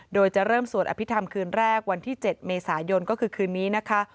โดยจะเริ่มสวดอภิษฐรรมคืนแรกวันที่๗เมษายนก็คือคืนนี้นะคะ